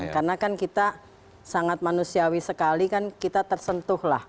karena kan kita sangat manusiawi sekali kan kita tersentuhlah